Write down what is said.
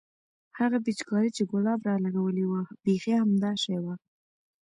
هغه پيچکارۍ چې ګلاب رالګولې وه بيخي همدا شى وه.